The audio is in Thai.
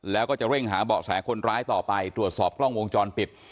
แล้วก็จะเร่งหาเบาะแสคนร้ายต่อไปตรวจสอบกล้องวงจรปิด